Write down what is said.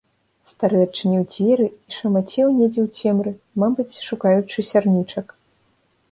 Стары зачыніў дзверы і шамацеў недзе ў цемры, мабыць, шукаючы сярнічак.